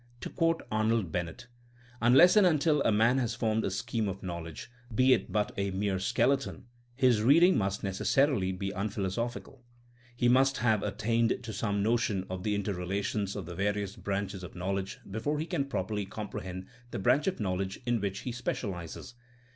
To quote Arnold Bennett: Unless and until a man has formed a scheme of knowledge, be it but a mere skeleton, his reading must neces sarily be unphilosophical. He must have at tained to some notion of the interrelations of the various branches of knowledge before he can properly comprehend the branch of knowledge in which he specializes.